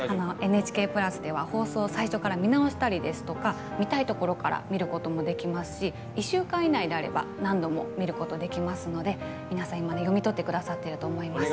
ＮＨＫプラスでは放送を最初から見直したりですとか見たいところから見ることもできますし１週間以内であれば何度も見ることができますので皆さん読み取ってくださってると思います。